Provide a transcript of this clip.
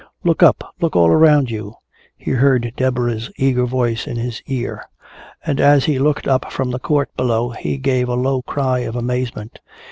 "Look up! Look all around you!" He heard Deborah's eager voice in his ear. And as he looked up from the court below he gave a low cry of amazement.